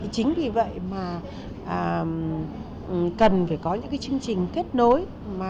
chính vì vậy mà cần phải có những chương trình kết nối